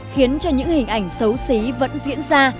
khiến cho những hình ảnh xấu xí vẫn diễn ra